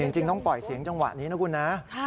จริงต้องปล่อยเสียงจังหวะนี้นะคุณนะ